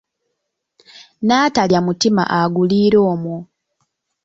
N'atalya mutima aguliira omwo.